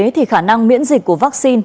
thì khả năng miễn dịch của vaccine